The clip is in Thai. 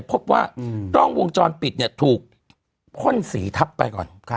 พบว่ากล้องวงจรปิดเนี่ยถูกพ่นสีทับไปก่อน